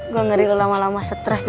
gua ngeri lu lama lama stress